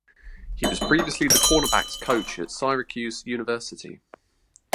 He was previously the cornerbacks coach at Syracuse University.